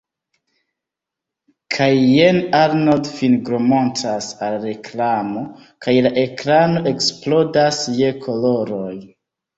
Kaj jen Arnold fingromontras al reklamo, kaj la ekrano eksplodas je koloroj.